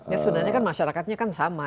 ya sebenarnya kan masyarakatnya kan sama